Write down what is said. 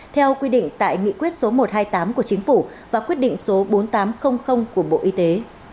theo quy định tại nghị quyết số một trăm hai mươi tám của chính phủ và quyết định số bốn nghìn tám trăm linh của bộ y tế